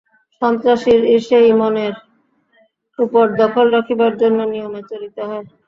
সন্ন্যাসীরও সেই মনের উপর দখল রাখিবার জন্য নিয়মে চলিতে হয়।